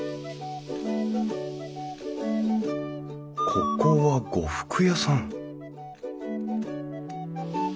ここは呉服屋さん